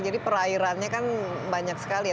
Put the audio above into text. jadi perairannya kan banyak sekali ya